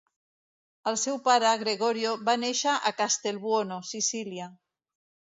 El seu pare, Gregorio, va néixer a Castelbuono, Sicília.